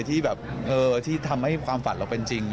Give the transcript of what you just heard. ที่ทำให้ความฝันเราเป็นจริง